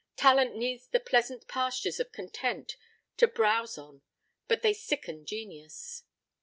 Talent needs the pleasant pastures of content to browse on but they sicken genius.